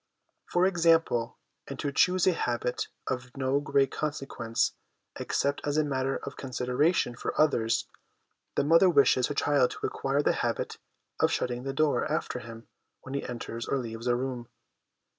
For example, and to choose a habit of no great con sequence except as a matter of consideration for others : the mother wishes her child to acquire the habit of shutting the door after him when he enters or leaves a room.